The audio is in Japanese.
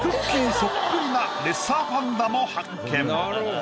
そっくりなレッサーパンダも発見。